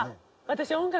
私。